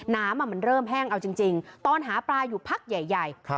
น้ำมันเริ่มแห้งเอาจริงตอนหาปลาอยู่พักใหญ่